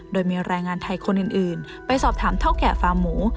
โดยมีแรงงานไทยคนอื่นไปสอบถามเท่าแก่ฟาร์มหมู